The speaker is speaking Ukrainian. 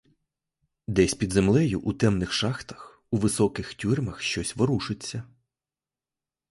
Десь під землею у темних шахтах, у високих тюрмах щось ворушиться.